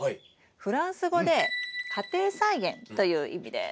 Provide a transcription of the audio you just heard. フランス語で「家庭菜園」という意味です。